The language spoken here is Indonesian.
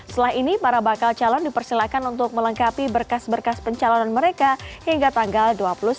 setelah ini para bakal calon dipersilakan untuk melengkapi berkas berkas pencalonan mereka hingga tanggal dua puluh sembilan